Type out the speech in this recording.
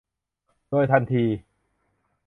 โดยทันที